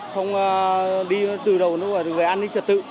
xong đi từ đầu nó là người ăn đi trật tự